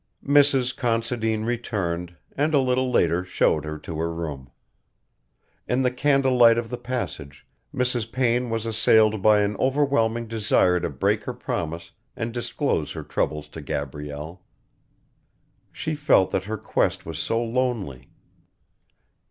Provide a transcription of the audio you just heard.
Mrs. Considine returned, and a little later showed her to her room. In the candle light of the passage Mrs. Payne was assailed by an overwhelming desire to break her promise and disclose her troubles to Gabrielle. She felt that her quest was so lonely.